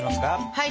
はい。